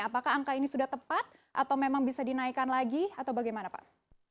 apakah angka ini sudah tepat atau memang bisa dinaikkan lagi atau bagaimana pak